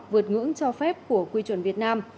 vượt ngưỡng cho phép của quy chuẩn việt nam